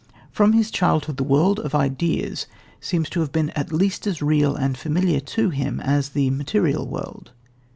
From his childhood the world of ideas seems to have been at least as real and familiar to him as the material world.